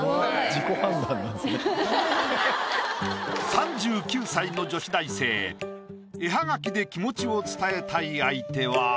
３９歳の女子大生絵はがきで気持ちを伝えたい相手は？